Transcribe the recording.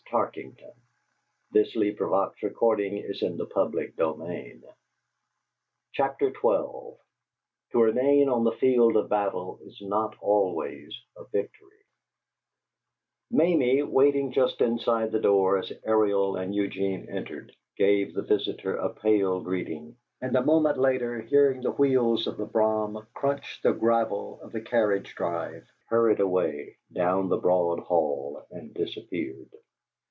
That fellow has got to go!" Joe took off his hat and wiped his brow. XII TO REMAIN ON THE FIELD OF BATTLE IS NOT ALWAYS A VICTORY Mamie, waiting just inside the door as Ariel and Eugene entered, gave the visitor a pale greeting, and, a moment later, hearing the wheels of the brougham crunch the gravel of the carriage drive, hurried away, down the broad hall, and disappeared.